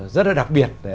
rất là đặc biệt